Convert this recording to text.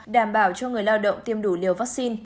đảm bảo cho người lao động tiêm đủ liều vaccine